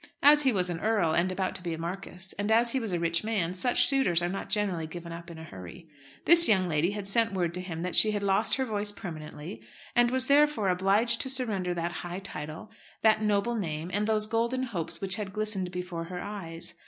As he was an earl, and about to be a marquis, and as he was a rich man, such suitors are not generally given up in a hurry. This young lady had sent word to him that she had lost her voice permanently and was therefore obliged to surrender that high title, that noble name, and those golden hopes which had glistened before her eyes.